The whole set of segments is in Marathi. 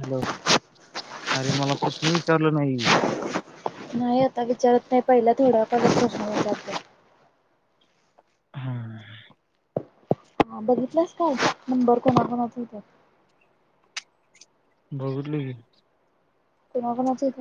हॅलो अरे मला प्रश्न विचारल नाही नाही आता विचारत नाही पहिला थोडा परत प्रश्न जात हा हा बघितलंस काय नंबर कोणा कोणाच होत बघितले की कोणा कोणाच होत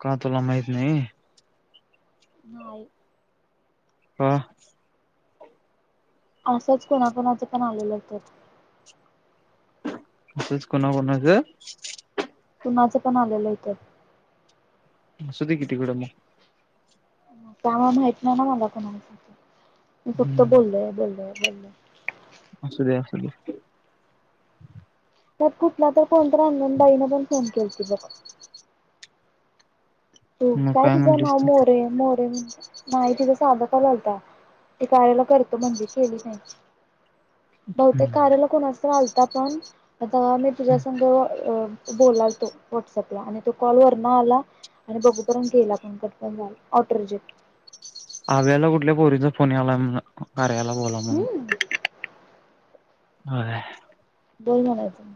का तुला माहित नाही नाही का असंच कुणाकुणाचं पण आलेलं होत असच कोणा कोण अस कुनाचं पण आलेलं होथ असुदे की तिकडं मग त्यामुळे माहित नाही ना मला कोणासाठी मी फुक्त बोललोय बोललोय ल असले अस असले त्यात कुठला तर कोणत अन्णंदाईनं पण फोन केल त बघ तू मग काय तिझं म्हणलीस नाव तू मोरे मोरे म्हणे नाही तिचां साधं का घलता ते कार्याला करतो म्हणजे केली नाही बहुतेक हम्म. कार्याला कोणा लता पण आ मी तुझ्या सो अ बोलाल तो व्हॉट्सअपला आणि तो कॉल वरना आला आणि बघू पर्य घ येईल आपण कट पण जाल ऑटो रिजि्ट आव्याला कुठल्या पोरीचा फोन याला क्यायला बोला म्हण हम्म हो बोल म्हणायचं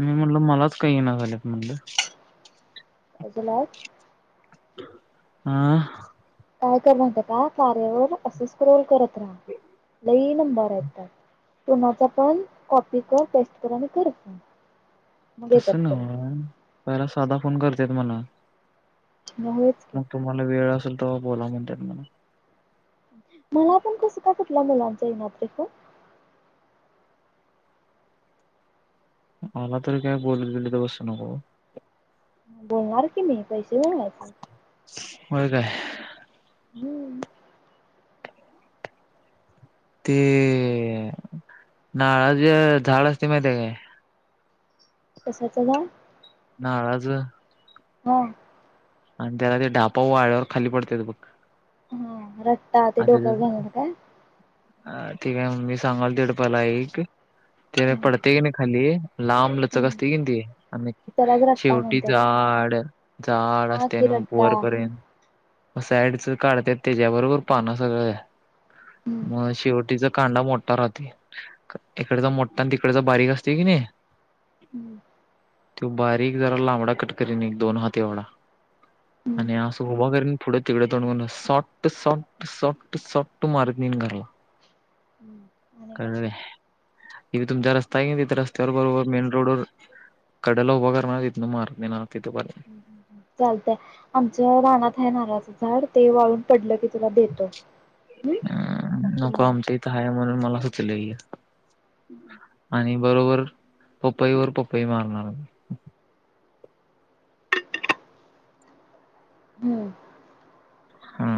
मी म्हणटल मलाच काही ना झाल्यात म्हणलं अजलाब हा काय कर म्हणत का कार्यावर असे स्क्रोल करत राहा लई ण कॉपी कर टेस्ट कर आणि कर फन तस नव पहिला साधा फोन करतेेत मला होयच की मग तुम्हाला वेळ असेल तरव्हा बोला म्हणतात मला मला पण कसं का कुठल्या मुलांचा इनातेख मला तोरी काय बोल तुली द बस्त नक बोलणार की मी पैसे बनयचे होय काय हम्म ते नाळाचे झाड असते माहिती काय कशाच झाड नारळाचं हम आणि त्याला ते ढापा वाळ्यावर खाली पडत्यात बघ हा रता ते डोका घालणार का अ ठीक आहे म मी सांगाल तेडपला एक ते हम्म पडते की नाही खाली लांब लचक असते की ते आणि त्यालाच रट्टा शेवटी म्हणतात. जाड जाड हा असते की आणि रट्टा वरपर्यंत म साईडच काढत त्याच्याबरोबर पानं सगळं हम्म मग शेवटीच कांदा मोठा राहते इकडचा मोठठा आणि तिकडेच बारीक असते कि नाही हम्म त बारीक जरा लांबडा कटकरीने दोन हात एवढा आणि असं उभा करीन पुढं तिकडं तोंडून सॉ्ट सॉफ्ट सट सट मारीत नेईन घरला हम्म आणि का इ तुमच्या रस्ता आहेये इतर रस्त्यावर बरोबर मेन रोडवर कडला उभा करणार इथन मार नाही तिथपर्यंत चालतय आमच्या रानात आहे नारळाचं झाड ते वाळून पडलं कि अ मग तू नको मार आमच्याइथ आहे म्हणून मला सुचलं हम्म आणि बरोबर पपई वर पपई मारणार हम्म हा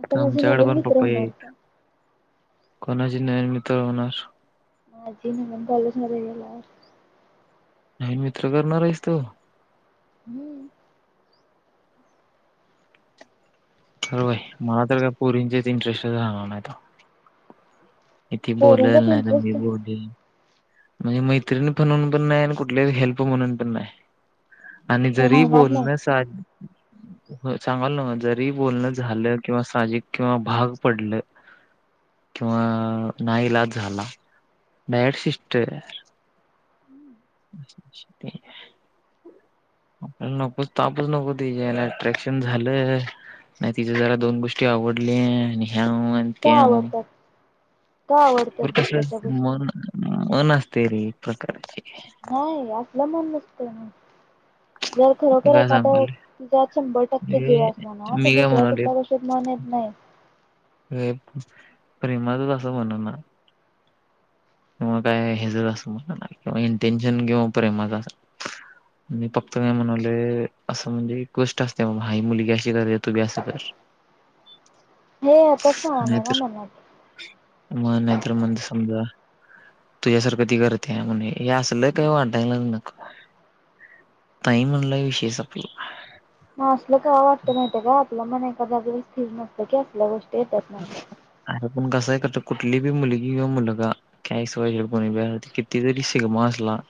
आता तर माझे आमच्याकडे नवीन पण मित्र पप्पई होणार आहेत का कोणाची नविन मित्र होणार माझी ना कॉलेज मध्ये गेल्यावर नाही मित्र करणार आहेस तो हम्म खरं बा आहे मला तर काय पोरींचेच इंटरेस्ट राहणार नाही त ती बोलल पोरींच्यात नाही तर मी इंटरेस्ट बोलेल म्हणजे मैत्रिणी म्हणून पण नाही आणि कुठले हेल्प म्हणून पण नाही. आणि जरी राहणार नाही बोलणं सा हो चांगल न जरी बोलण झालं किंवा साजिक किंवा भाग पडलं. किंवा ना इलाज झाला डायरेक्ट सिस्टर. ते [unintelligible] आपल्याला नकोच तापच नको त्याच्या यायला अट्रॅक्शन झालं. नाही तिचे जरा दोन गोष्टी आवडल्या. ह्याव आणि का तेव आवडतात का आवडतात बर कस दुसऱ्याच्या असतय गोष्टी मन मन असतय रे एक प्रकारची नाही असलं मन नसत ना [inaudible] जर मी खरोखर काय एखाद सांगालोय तुझ्या शंभर टक्के जीव म्हणजे असला, ना तर दुसऱ्या कुठल्या गोष्टीत मन येत नाही. प्रेमात अस [unintelligible] होणार नाय किवा काय हेज असं मला किंवा इंटेन्शन किंवा प्रेमाच मी फक्त काय म्हणावलेय असं म्हणजे गोष्ट असते बाबा हा मुलगी अशी करते तू बी असं कर हे येतच [inaudible] सामान आहे नाहीत ना मनात. मग नाहीतर मन समजा तुझ्यासारखं ती करते आहे म्हणे असल काही वाटायला नकॊ ताई म्हणलंय विषय संपला. असलं का वाटत माहित हे का आपलं मन एका जागेवर स्थिर नसतं की असल्या गोष्ट ते तरत् नाही अरे पण कसय करत कुठली बी मुलगी किंवा मुलगा काहीच वय कोणी ब कितीतरी शिगमा असला ह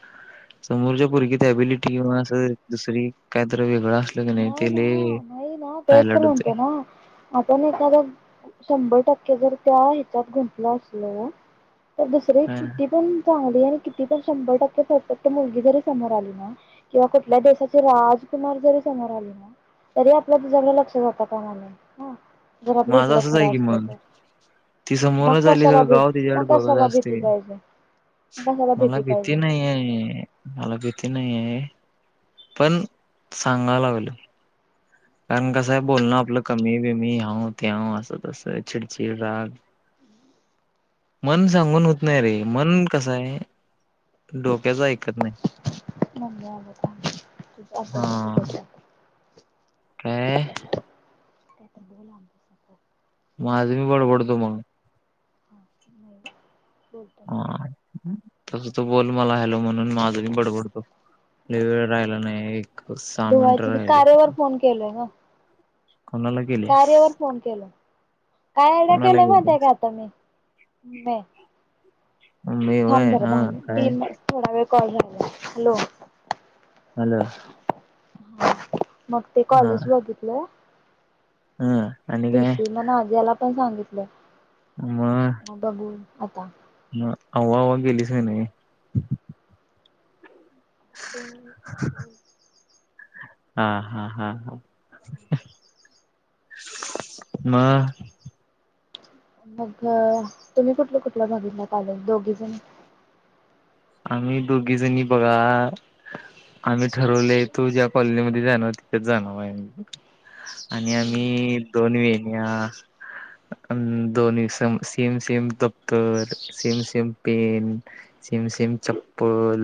समोरच्या पोरगीत अबिलिटी किंवा असं दुसरी काहीत वेगळं असलं की नाही ते ना नाही ना तेच तर हायलाइट होतंय म्हणतो नाण एखादा शंभर टक्के जर त्या हिच्याात गुंतलं असल तर दुसरे हा किती पण चांगली आणि किती पण शंभर टक्के फत मुलगी जरी समोर आली ना किंवा कुठल्या देशाचे राजकुमार जरी समोर आले ना, तरी आपलं तुझ्याकडे लक्ष जातं कामाने माझं असंच आहे की मन ती मग समोरच आली कशाला सगळं भी गाव मग तिच्याकड बघत कशाला भीती असतय पाहिजे मग कशाला मला भीती पाहिजे नाही आहे मला भीती नाही आहे पण सांगाय लागलोय कारण कसं आहे बोल ना आपलं कमी बी मी ह्या ते असं तसं चिडचिड राग मन सांगून होत नाही रे मन कस आहे डोक्याच ऐकत नाही म्ह अ्या [unintelligible] प्रय [unintelligible] काहीतरी बोल अभ्यासाचं माझ मी कॉलेज बडबडतो मग बोलत म का तस तो बोल मला हॅलो म्हणून माझही बडबडतो लई वेळ राहिला नाही. एक मिनिटं धुवायची क राहिलेत. कारेवर फोन केलय ना कोणाला केलीयास? कार्यावर फोन केलो. काय कोणाला केलं माणत केलीयास? का आता मी म मम्मी थाब होय. जरा दहा हां. मि काय? तीन थोडा वेळ कॉल झाला हॅलो हॅलो. ह मग ते हां. कॉलेज बघितलंय. हं. आणि काय? भीपी म आज्याला पण सांगितलं मग आम बघू आता ना अव्हा आवा गेलीच का नाही ना? [inaudible] हा हा हा हा. म मग तुम्ही कुठलं कुठलं बघितला आजून दोघी जणी आम्ही दोघी जणी बघा आम्ही ठरवलय तू ज्या कॉलनी मध्ये जाणार, तिथेच जाणार आहे आम्ही. आणि आम्ही दोन वेगळ्या अ दोन्ही सम सेम दप्तर same same pen same same same चप्पल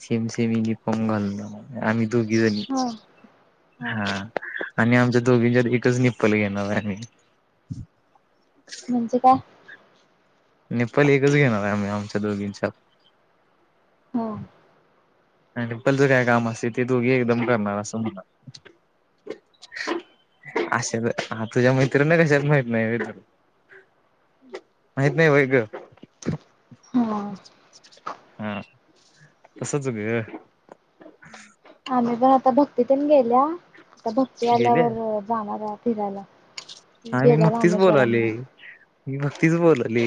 सेम सेम युनिफॉर्म घालणार आम्ही दोघी जणी. हा हा हां आणि आमच्या दोघींच्यात एकच निप्पल घेणार आहे आम्ही म्हंजे काय? निप्पल एकच घेणार आहे, आम्हीं आमच्या दोघींच्यात. हा आणि निप्पलचं काय काम असते ते तू घे एकदम करणार असं म्ह [inaudible] अशा ग हां तुझ्या मैत्रिणी कशा हायत माहत नाही व्हय तुला? माहित नाही व्हय ग? हां. हा तसच ग. आम्ही पण आता भक्तीतन गेल्या आता, भक्ती गेल्या आल्यावर जाणार फिरायला. ती हा मी गेल्या भक्तीच बोलाली रामेश्वरमला मी भक्तीच बोलाली.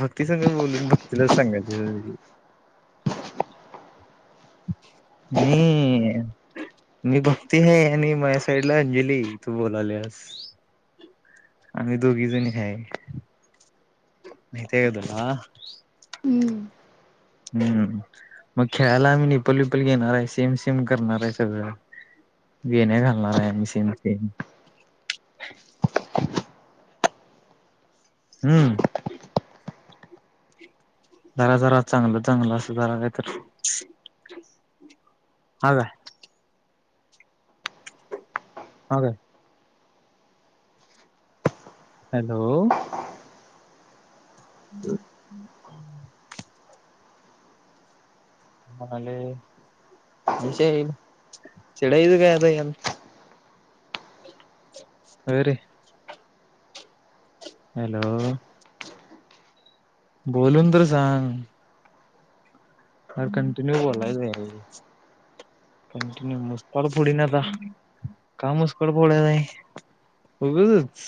भक्ती संग बोलून भक्तीलाच सांगायच. हम्म. मी भक्ती हाय आणि माया साईडला अंजली तू बोलाल्यास. आम्ही दोघी जणी हाय. माहिती हाय का तूला? हम्म हम्म मग खेळायला आम्ही निप्पल विपल घेणार हाय सेम सेम करणार हाय सगळं. वेण्या घालणार हाय आम्ही सेम सेम. हम्म. जरा जरा चांगलं चांगलं असं जरा काहीतरी हा काय. हा काय. हॅलो. [inaudible] म्हणाले [unintelligible] चिडायच काय आता यात. होय रे. हॅलो बोलून तर सांग. अर कंटिन्यू बोलायच हाय रे. कंटिन्यू मुस्काड फोडीन आता. का मुस्काड फोड हाय. उगचच.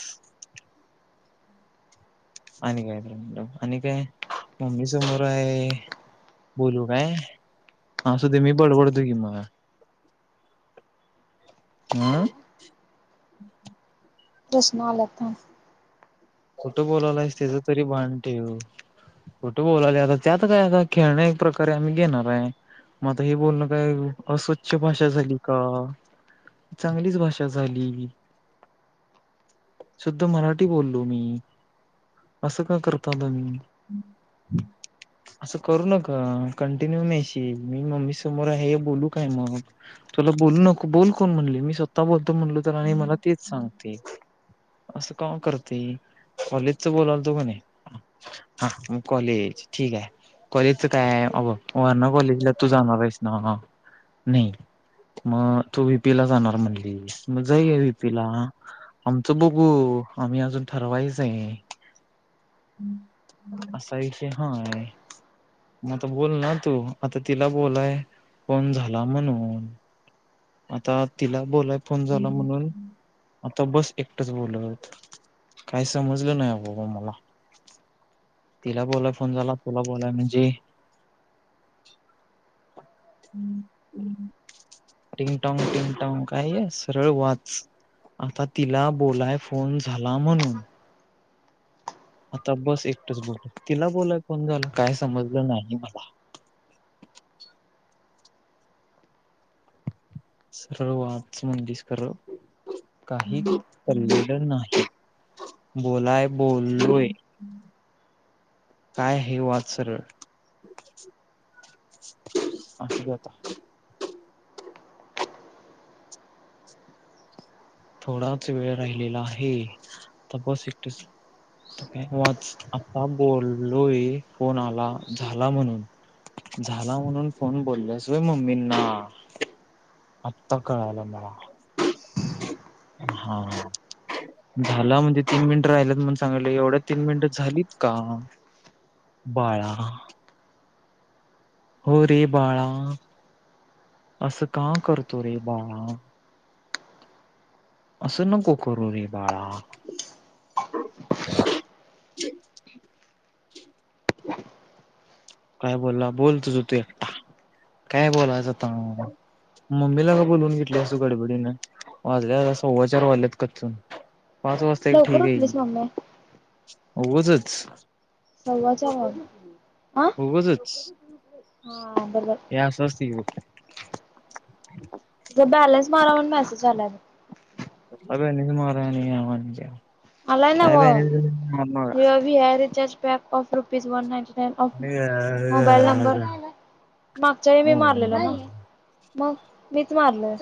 आणि काय [unintelligible] आणि काय मम्मी समोर हाय. बोलू काय असुदे मी बडबडतोय की मग. आं. प्रश्न आल्यात थांब. कुठं बोलालायस त्याच तरी भान ठेव. कुठे बोल्यालो आता त्यात काय आता खेळण्या प्रकारे आम्ही घेणार हाय. म आता हे बोलणं काय अस्वच्छ भाषा झाली का. चांगलीच भाषा झाली शुद्ध मराठी बोलल ललो मी असं का करता तुमी. असं करू नका कंटिन्यू मेसेज मी मम्मी समोर आहे हे बोलू काय मग. तुला बोलू नको, बोल कोण म्हणले, मी स्वतः बोलतो म्हणलो तर, आणि मला तेच सांगते. असं काम करत ते कॉलेजच बोलालतो म्हणे, हा मग कॉलेज, ठीक हाय. कॉलेजच काय आहे, अब वारणा कॉलेजला तू जाणार आहेस ना? नाही. मग तू व्ही पीला जाणार म्हणलीस, मग जाऊया व्हीपीला. आमचं बघू. हो, आम्ही अजून ठरवायचय. असा विषय हाय. म आता बोल ना तू, आता तिला बोलाय फोन झाला म्हणून. आता तिला बोलाय फोन झाला म्हणून आता बस एकटंच बोलत. काही समजलं नाही बाबा, मला. तिला बोलाय फोन झाला, तुला बोलाय म्हणजे. [unintelligible] टिंग - टॉंग, टिंग - टॉंग कायय, सरळ वाच. आता तिला, बोलाय फोन झाला म्हणून. आता बस एकटंच बोलत. तिला बोलाय फोन झाला काय समजलं नाही मला. [unintelligible] सरळ वाच, म्हणलीस खरं. काही पडलेलं नाही. बोलाय, बोललोय. काय हे, वाच सरळ. [inaudible] अस जात. थोडाच वेळ राहिलेला आहे, तर बस एकटेच. आता काय वाच, आता बोललोय फोन आला, झाला म्हणून. झाला म्हणून फोन बोलल्यास वय मम्मींना. आता कळालं मला. हा झाला म्हणजे, तीन मिनिटं राहिल्यात म्हणून सांगितलय. एवढ्यात तीन मिनिट झालीत का? बाळा हो रे बाळा. असं का करतो रे बाळा? असं नको करू रे, बाळा. [inaudible] काय बोलला, बोल तुझं तू एकटा. काय बोलायचं आता. मम्मीला का बोलवून घेतल्यास तू गडबडीने? [unintelligible] वाजल्यात अ सव्वाचार वाजल्यात कच्चून. पाच वाजता एक लवकर ठीकय की, उठलीस मम्मे उगचच सव्वा चार वाजले. हा उगचच हा बरोबर हे असं असतय [unintelligible] तुझं बॅलन्स मारा म्हणून, मेसेज आलाय बघ. [unintelligible] आलाय नव, your V I recharge pack of rupees one ninety [unintelligible] mobile number मागच्यावेळी मी मारलेला ना? मग, मीच मारल.